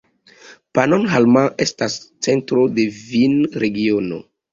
Pannonhalma estas centro de vinregiono.